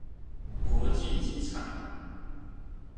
國際廣場